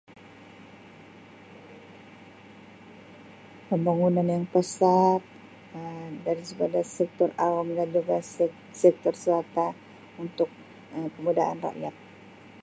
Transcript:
Pembangunan yang pesat Um baris-baris sektor awam dan juga sek-sektor swata untuk Um penggunaan rakyat